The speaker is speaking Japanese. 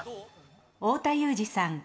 太田裕二さん